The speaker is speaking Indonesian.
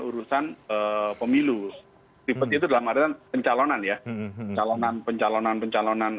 urusan pemilu dipet itu dalam lain pencalonan ya calon pencalonan pencalonan